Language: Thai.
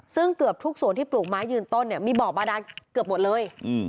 ซึ่งเกือบทุกส่วนที่ปลูกไม้ยืนต้นเนี่ยมีบ่อบาดานเกือบหมดเลย